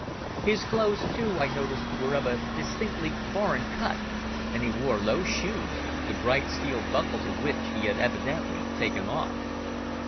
His clothes, too, I noticed were of a distinctly foreign cut and he wore low shoes, the bright steel buckles of which he had evidently taken off.